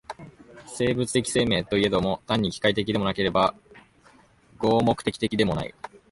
生物的生命といえども、単に機械的でもなければ合目的的でもない。